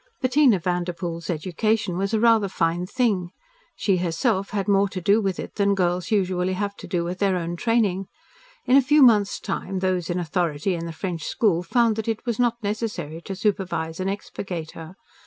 Bettina Vanderpoel's education was a rather fine thing. She herself had more to do with it than girls usually have to do with their own training. In a few months' time those in authority in the French school found that it was not necessary to supervise and expurgate her.